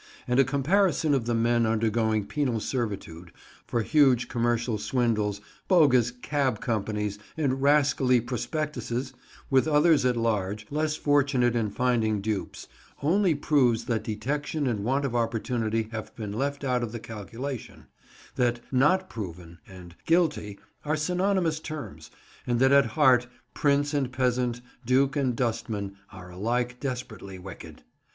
And a comparison of the men undergoing penal servitude for huge commercial swindles, bogus "cab companies," and rascally prospectuses, with others at large, less fortunate in finding dupes, only proves that detection and want of opportunity have been left out of the calculation; that "not proven" and "guilty" are synonymous terms; and that at heart prince and peasant, duke and dustman, are alike desperately wicked.